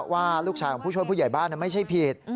ว่าลูกชายของผู้ช่วยผู้ใหญ่บ้านไม่ใช่ผิด